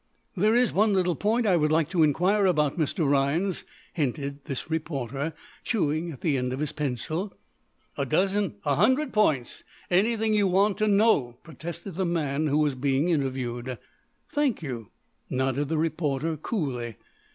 "There is one little point I would like to inquire about, Mr. Rhinds," hinted this reporter, chewing at the end of his pencil. "A dozen a hundred points anything you want to know!" protested the man who was being interviewed. "Thank you," nodded the reporter, coolly.